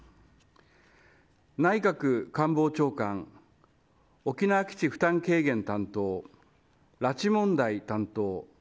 内閣官房長官沖縄基地負担軽減担当拉致問題担当